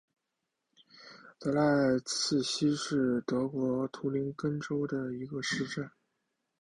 德赖茨希是德国图林根州的一个市镇。